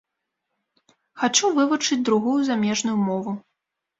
Хачу вывучыць другую замежную мову.